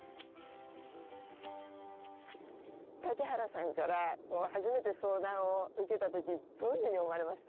竹原さんから初めて相談を受けた時どういうふうに思われました？